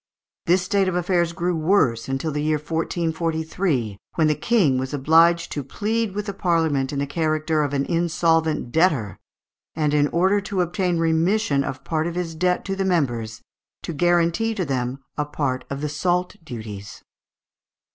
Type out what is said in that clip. This state of affairs grew worse until the year 1443, when the King was obliged to plead with the Parliament in the character of an insolvent debtor, and, in order to obtain remission of part of his debt to the members, to guarantee to them a part of the salt duties.